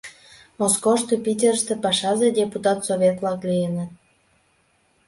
Москошто, Питерыште Пашазе депутат совет-влак лийыныт...»